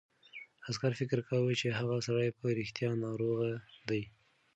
عسکر فکر کاوه چې هغه سړی په رښتیا ناروغ دی.